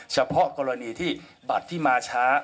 เฉพาะกรณีที่บัตรที่มาช้า